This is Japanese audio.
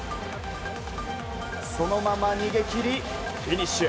そのまま逃げ切りフィニッシュ。